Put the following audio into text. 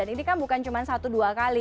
ini kan bukan cuma satu dua kali